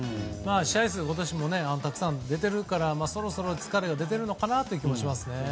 試合数、今年もたくさん出ているからそろそろ疲れが出ているのかなという気がしますね。